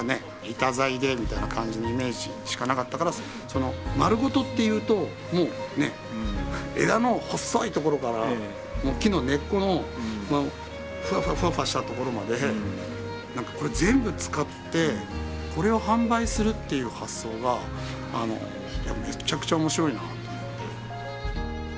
板材でみたいな感じのイメージしかなかったからまるごとっていうともうね枝の細いところから木の根っこのフワフワフワフワしたところまでこれ全部使ってこれを販売するっていう発想がめちゃくちゃ面白いなと思って。